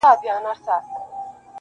• له بهرامه ښادي حرامه -